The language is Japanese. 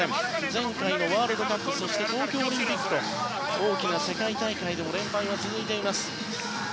前回のワールドカップそして東京オリンピックと大きな世界大会での連敗が続いています。